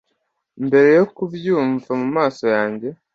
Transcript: Mbere yo kubyumva mumaso yanjye